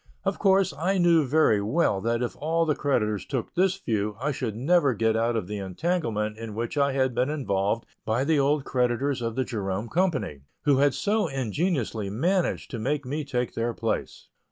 Of course, I knew very well that if all the creditors took this view I should never get out of the entanglement in which I had been involved by the old creditors of the Jerome Company, who had so ingeniously managed to make me take their place.